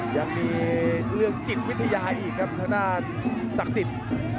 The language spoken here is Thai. ยังมีเรื่องจิตวิทยาอีกครับทางด้านศักดิ์สิทธิ์